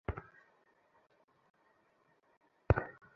কেবল পকেটটা ভারী হলেই হলো।